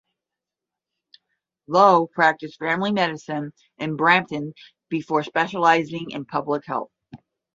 Loh practiced family medicine in Brampton before specializing in public health.